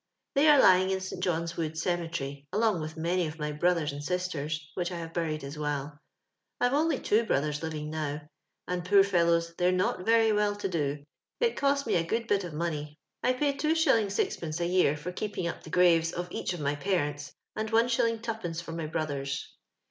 They are lying in St. John's Wood cemetery along with many of my brothers and sisters, which I have buried as well. Pve only two brothers living now ; and, poor fellows, they're not very well to do. It cost me a good bit of money. I pay 2«. 6(f. a year for keeping up the graves No. LIII. of each of my parents, and Ia 2*^ for my brothers.